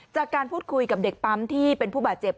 จากการพูดคุยกับเด็กปั๊มที่เป็นผู้บาดเจ็บ